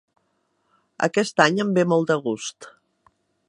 Aquest any em ve molt de gust.